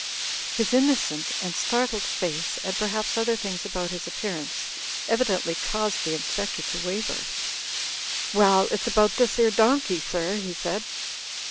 His innocent and startled face, and perhaps other things about his appearance, evidently caused the In spector to waver. 'Well, it's about this 'ere donkey, sir," he said.